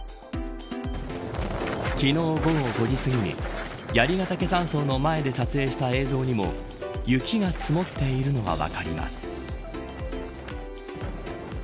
昨日午後５時すぎに槍ヶ岳山荘の前で撮影した映像にも雪が積もっているのが分かります。